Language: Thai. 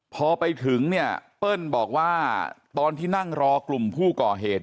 พอไปถึงเนี่ยเปิ้ลบอกว่าตอนที่นั่งรอกลุ่มผู้ก่อเหตุ